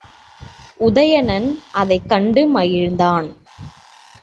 உதயணன் அதைக் கண்டு மகிழ்ந்தான்.